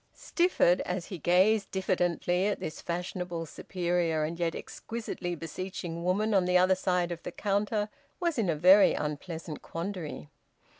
Stifford, as he gazed diffidently at this fashionable, superior, and yet exquisitely beseeching woman on the other side of the counter, was in a very unpleasant quandary.